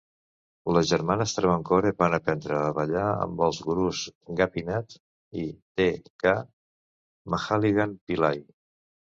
Les germanes Travancore van aprendre a ballar amb els gurus Gopinath i T. K. Mahalingam Pillai.